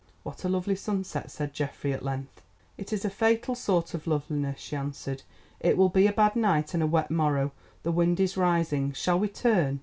"What a lovely sunset," said Geoffrey at length. "It is a fatal sort of loveliness," she answered; "it will be a bad night, and a wet morrow. The wind is rising; shall we turn?"